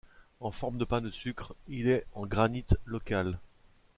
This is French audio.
En forme de pain de sucre, il est en granite local.